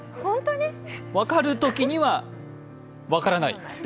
分かるときには分からない。